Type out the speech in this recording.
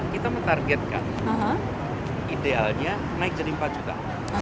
kita menargetkan idealnya naik jadi empat juta